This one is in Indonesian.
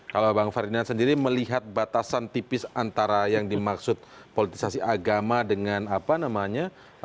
kalau bang ferdinand sendiri melihat batasan tipis antara yang dimaksud politisasi agama dengan apa namanya